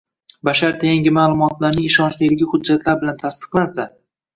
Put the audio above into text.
basharti yangi ma’lumotlarning ishonchliligi hujjatlar bilan tasdiqlansa